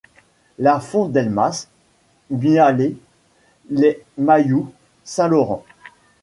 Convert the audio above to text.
La Fon del Mas, Mialet, les Mayous, Saint-Laurent.